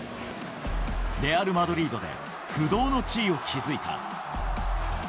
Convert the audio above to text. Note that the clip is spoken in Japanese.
レアル・マドリードで不動の地位を築いた。